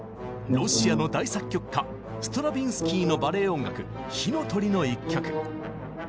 ロシアの大作曲家ストラヴィンスキーのバレエ音楽「火の鳥」の一曲。